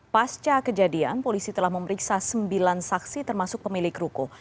pasca kejadian polisi telah memeriksa sembilan saksi termasuk pemilik ruko